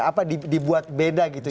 apa dibuat beda gitu